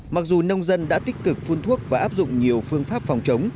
mặc dù nông dân đã tích cực phun thuốc và áp dụng nhiều phương pháp phòng chống